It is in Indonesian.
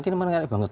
ini menarik banget